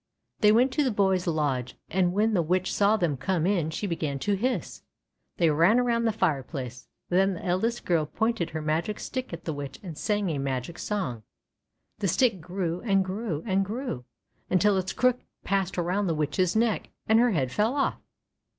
They went to the boy's lodge, and when the Witch saw them come in she began to hiss. They ran around the fireplace. Then the eldest girl pointed her magic stick at the Witch and sang a magic song. The stick grew, and grew, and grew, until its crook passed around the Witch's neck, and her head fell off.